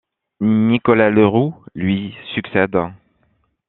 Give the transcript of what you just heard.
Nicolas Le Roux lui succède.